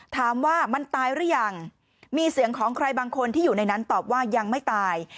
ถามว่ามันตายหรือยังมีเสียงของใครบางคนที่อยู่ในนั้นตอบว่ายังไม่ตาย